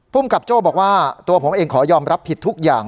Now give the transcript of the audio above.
ภูมิกับโจ้บอกว่าตัวผมเองขอยอมรับผิดทุกอย่าง